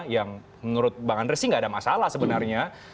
yang menurut bang andresi tidak ada masalah sebenarnya